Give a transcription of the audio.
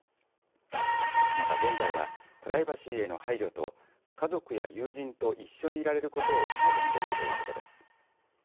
また、現在はプライバシーへの配慮と家族や友人と一緒にいられることを望んでいるということです。